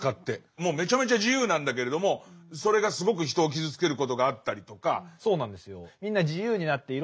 もうめちゃめちゃ自由なんだけれどもそれがすごく人を傷つけることがあったりとか。